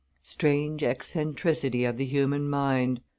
Strange eccentricity of the human mind!